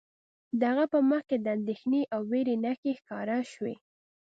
د هغه په مخ کې د اندیښنې او ویرې نښې ښکاره شوې